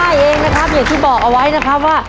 เองนะครับอย่างที่บอกเอาไว้นะครับว่า